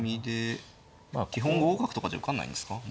基本５五角とかじゃ受かんないんですか？